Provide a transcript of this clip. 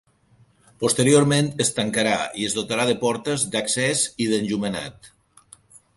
Posteriorment es tancarà i es dotarà de portes d’accés i d’enllumenat.